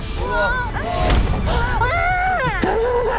大丈夫か？